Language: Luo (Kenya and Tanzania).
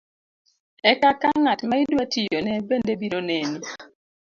e kaka ng'at ma idwa tiyone bende biro neni.